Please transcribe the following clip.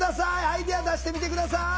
アイデア出してみて下さい！